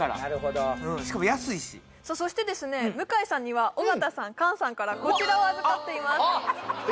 しかも安いしそしてですね向井さんには尾形さん菅さんからこちらを預かっています